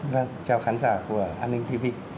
vâng chào khán giả của an ninh tv